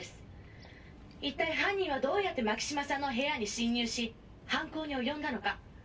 「一体犯人はどうやって牧島さんの部屋に侵入し犯行に及んだのか」